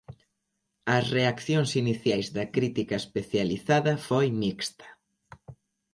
As reaccións iniciais da crítica especializada foi mixta.